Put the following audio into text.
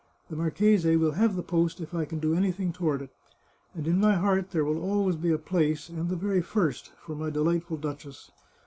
The marchese will have the post if I can do anything toward it, and in my heart there will always be a place — and the very first — for my delightful duchess.